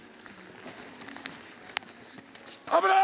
危ない！